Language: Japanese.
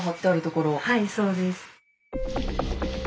はいそうです。